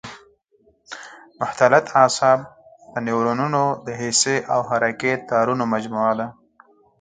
مختلط اعصاب د نیورونونو د حسي او حرکي تارونو مجموعه ده.